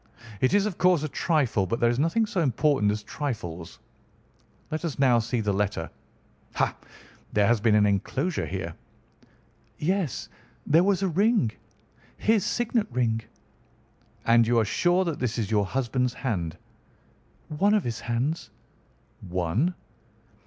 It is, of course, a trifle, but there is nothing so important as trifles. Let us now see the letter. Ha! there has been an enclosure here!" "Yes, there was a ring. His signet ring." "And you are sure that this is your husband's hand?" "One of his hands." "One?"